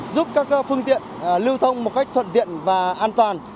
giúp các phương tiện lưu thông một cách thuận tiện và an toàn